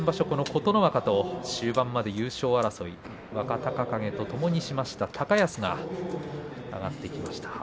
琴ノ若と終盤まで優勝争いをした若隆景とともにしました高安が土俵に上がってきました。